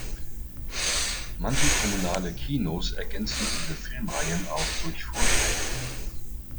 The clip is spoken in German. Manche Kommunale Kinos ergänzen ihre Filmreihen auch durch Vorträge.